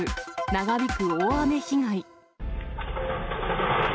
長引く大雨被害。